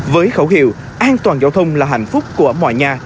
với khẩu hiệu an toàn giao thông là hạnh phúc của mọi nhà